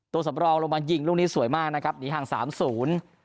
สำรองลงมายิงลูกนี้สวยมากนะครับหนีห่างสามศูนย์